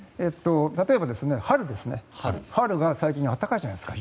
例えば、春が最近暖かいじゃないですか。